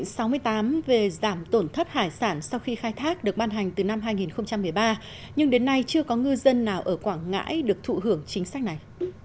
sáu mươi tám về giảm tổn thất hải sản sau khi khai thác được ban hành từ năm hai nghìn một mươi ba nhưng đến nay chưa có ngư dân nào ở quảng ngãi được thụ hưởng chính sách này